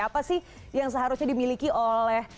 apa sih yang seharusnya dimiliki oleh